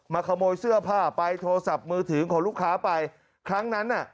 ขโมยเสื้อผ้าไปโทรศัพท์มือถือของลูกค้าไปครั้งนั้นน่ะ